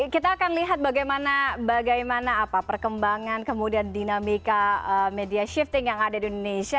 kita akan lihat bagaimana perkembangan kemudian dinamika media shifting yang ada di indonesia